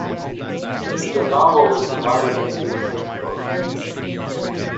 The novel is divided into six "books".